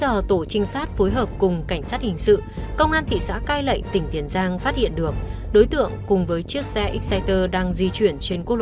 một mươi chín giờ tổ trinh sát phối hợp cùng cảnh sát hình sự công an thị xã cai lậy tỉnh tiền giang phát hiện được đối tượng cùng với chiếc xe exciter đang di chuyển trên quốc lộ một